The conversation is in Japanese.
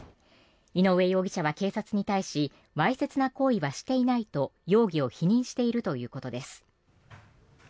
井上容疑者は、警察に対しわいせつな行為はしていないと容疑を否認しているということです。